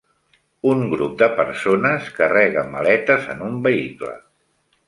Un grup de persones carrega maletes en un vehicle.